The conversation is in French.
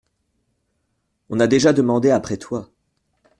On a déjà demandé après toi.